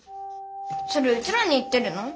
それうちらに言ってるの？